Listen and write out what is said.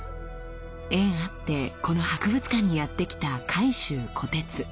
縁あってこの博物館にやってきた海舟虎徹。